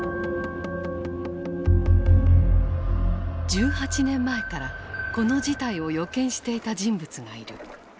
１８年前からこの事態を予見していた人物がいる。